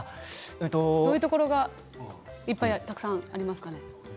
どういうところにいっぱいありますかね？